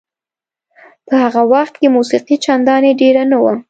په هغه وخت کې موسیقي چندانې ډېره نه وه.